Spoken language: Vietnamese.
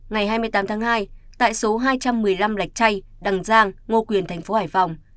ngày hai mươi tám tháng hai tại số hai trăm một mươi năm lạch chay đằng giang ngô quyền thành phố hải phòng